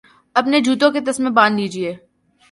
اپنے جوتوں کے تسمے باندھ لیجئے